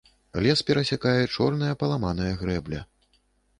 Лес перасякае чорная паламаная грэбля.